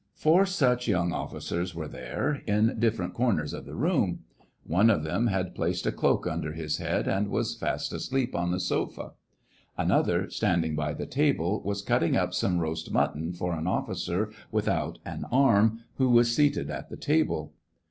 Four such young officers were there, in different corners of the room. One of them had placed a cloak under his head, and was fast asleep on the sofa. Another, standing by the table, was cutting up some roast mutton for an officer without an arm, who was seated at the table.